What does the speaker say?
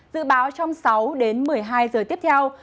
dự báo trong sáu đến một mươi hai giờ tiếp theo